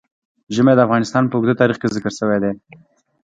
ژمی د افغانستان په اوږده تاریخ کې ذکر شوی دی.